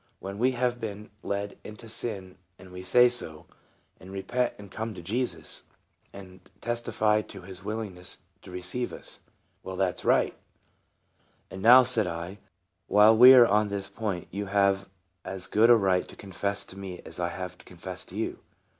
When we have been led into sin we say so, and repent and come to Jesus, and testify of his willingness to receive us.' " Well, that 's right." IVORD OF TESTIMONY. c 9 "And now," said I, "while we are on this point, you have as good a right to confess to me as I have to confess to you.